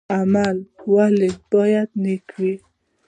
عمل ولې باید نیک وي؟